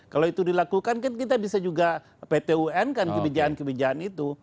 kalau itu dilakukan kan kita bisa juga pt un kan kebijakan kebijakan itu